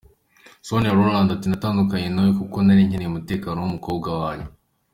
Sonia Rolland ati “Natandukanye na we kuko nari nkeneye umutekano w’umukobwa wanjye.